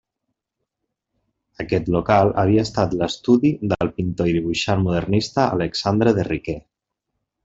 Aquest local havia estat l'estudi del pintor i dibuixant modernista Alexandre de Riquer.